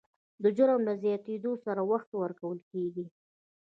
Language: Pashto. د جرم له زیاتېدو سره وخت ورو کېږي.